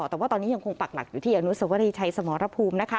แต่ว่าตอนนี้ยังคงปักหลักอยู่ที่อนุสวรีชัยสมรภูมินะคะ